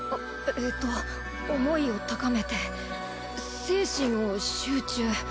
えっと思いを高めて精神を集中。